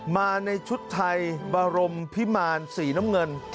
มาในชุดไทยบรมพิมารสีน้ำเงิน